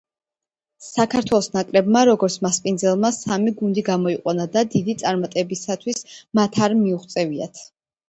საქართველოს ნაკრებმა, როგორც მასპინძელმა, სამი გუნდი გამოიყვანა და დიდი წარმატებებისათვის მათ არ მიუღწევიათ.